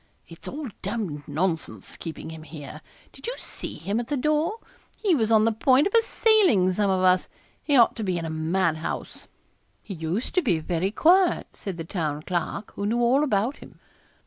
It's all d d nonsense keeping him here did you see him at the door? he was on the point of assailing some of us. He ought to be in a madhouse.' 'He used to be very quiet,' said the Town Clerk, who knew all about him.